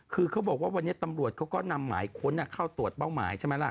คือเขาบอกว่าวันนี้ตำรวจเขาก็นำหมายค้นเข้าตรวจเป้าหมายใช่ไหมล่ะ